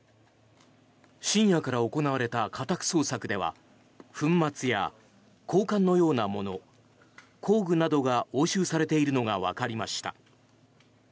深夜から行われた家宅捜索では粉末や鋼管のようなもの工具などが押収されているのがわかりました。